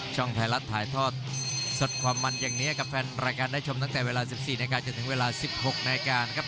ไทยรัฐถ่ายทอดสดความมันอย่างนี้กับแฟนรายการได้ชมตั้งแต่เวลา๑๔นาทีจนถึงเวลา๑๖นาทีนะครับ